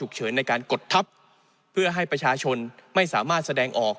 เฉินในการกดทัพเพื่อให้ประชาชนไม่สามารถแสดงออก